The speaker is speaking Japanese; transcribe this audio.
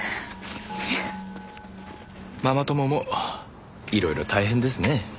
ママ友もいろいろ大変ですね。